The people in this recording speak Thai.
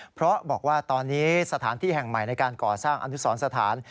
เพราะบอกว่าตอนนี้สถานที่แห่งใหม่ในการก่อสร้างอนุสรสถาน